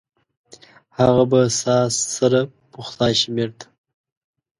هغه به ساه سره پخلا شي بیرته؟